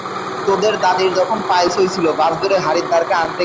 তোমাদের দাদীর যখন পাইলস হইছিলো, বাস ধরে হারিদ্বার কে গেছিলো ঔষধ আনতে?